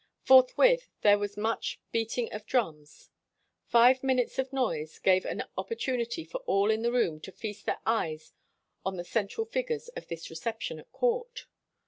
Forthwith there was much beating of drums. Five minutes of noise gave an opportunity for all in the room to feast their eyes on the cen tral figures of this reception at court.